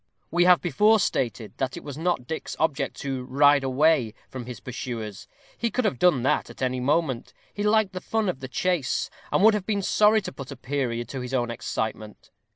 We have before stated that it was not Dick's object to ride away from his pursuers he could have done that at any moment. He liked the fun of the chase, and would have been sorry to put a period to his own excitement.